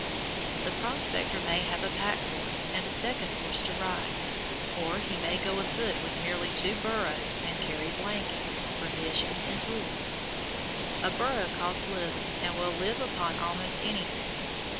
The prospector may have a pack horse and a second horse to ride, or he may go afoot with merely two burros to carry blankets, provisions, and tools. A burro costs little and will live upon almost anything.